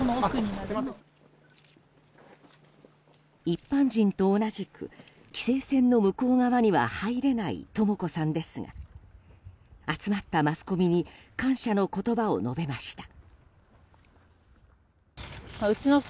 一般人と同じく規制線の向こう側には入れないとも子さんですが集まったマスコミに感謝の言葉を述べました。